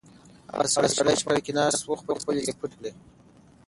هغه سړی چې په موټر کې ناست و خپلې سترګې پټې کړې.